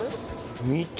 見て？